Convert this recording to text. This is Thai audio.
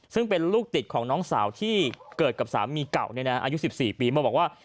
ซึ่งเป็นลูกติดของน้องสาวที่เกิดกับสามีเก่าอายุ๑๔ปีมาบอกว่า